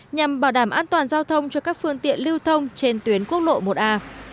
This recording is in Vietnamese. nhằm bảo đảm an toàn giao thông cho các phương tiện lưu thông trên tuyến quốc lộ một a